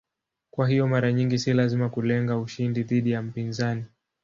Kwa hiyo mara nyingi si lazima kulenga ushindi dhidi ya mpinzani.